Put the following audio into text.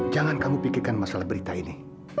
jangan kamu pikirkan masalah berita ini